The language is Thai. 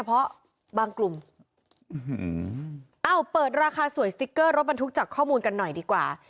เพราะบางกลุ่มเอ้าเปิดราคาสวยสติ๊กเกอร์รถบรรทุกจากข้อมูลกันหน่อยดีกว่า